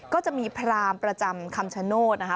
ก็จะมีพรามประจำคำชโนธนะคะ